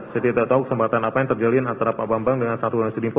saya tidak tahu kesempatan apa yang terjalin antara pak bambang dengan sarul yassin limpo